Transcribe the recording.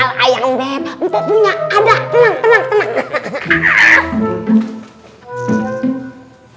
untuk punya ada tenang tenang